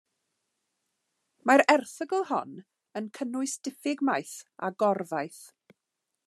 Mae'r erthygl hon yn cynnwys diffyg maeth a gor faeth.